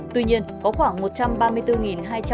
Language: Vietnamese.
tuy nhiên có khoảng một trăm ba mươi bốn hai trăm tám mươi bốn